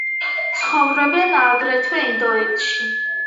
ცხოვრობენ აგრეთვე ინდოეთში.